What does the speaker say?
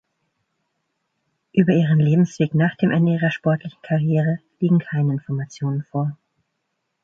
Über ihren Lebensweg nach dem Ende ihrer sportlichen Karriere liegen keine Informationen vor.